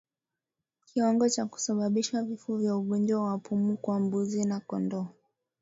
Kiwango cha kusababisha vifo vya ugonjwa wa pumu kwa mbuzi na kondoo